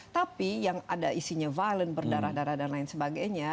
tapi yang ada isinya violent berdarah darah dan lain sebagainya